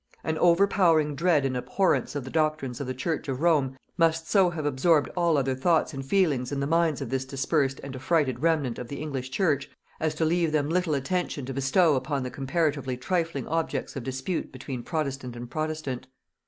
An overpowering dread and abhorrence of the doctrines of the church of Rome must so have absorbed all other thoughts and feelings in the minds of this dispersed and affrighted remnant of the English church, as to leave them little attention to bestow upon the comparatively trifling objects of dispute between protestant and protestant.